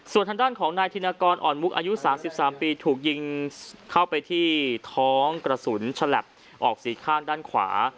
ส่วนทางด้านของนายธินกรอ่อนมุกอายุ๓๓ปีถูกยิงเข้าไปที่ท้องกระสุนฉลับออกสี่ข้างด้านขวา